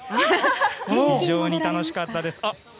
非常に楽しかったです。